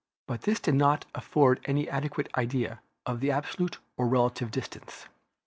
But this did not afford any adequate idea of the absolute or relative distance.